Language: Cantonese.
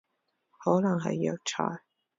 可能係藥材